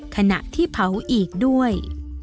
ขณะที่เผาอีกด้วย